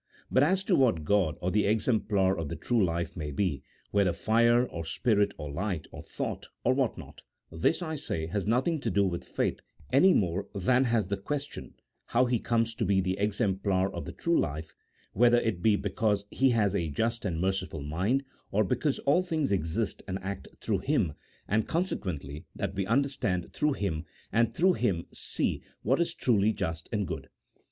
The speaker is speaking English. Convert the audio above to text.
But as to what God, or the Exemplar of the true life, may be, whether fire, or spirit, or light, or thought, or what not, this, I say, has nothing to do with faith any more than has the ques tion how He comes to be the Exemplar of the true life,, whether it be because He has a just and merciful mind, or because all things exist and act through Him, and conse 188 A THEOLOGICO POLITICAL TEEATISE. [CHAP. XIV. quently that we understand through Him, and through Him see what is truly just and good.